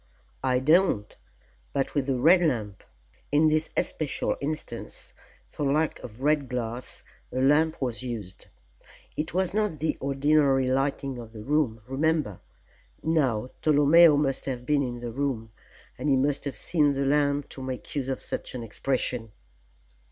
"I don't, but with the Red Lamp. In this especial instance, for lack of red glass a lamp was used. It was not the ordinary lighting of the room, remember. Now, Tolomeo must have been in the room, and he must have seen the lamp to make use of such an expression."